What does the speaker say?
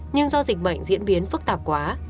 nhưng do dịch bệnh diễn biến phức tạp quá